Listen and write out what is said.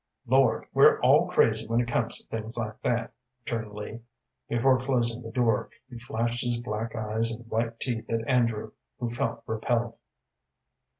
"Lord, we're all crazy when it comes to things like that," returned Lee. Before closing the door he flashed his black eyes and white teeth at Andrew, who felt repelled.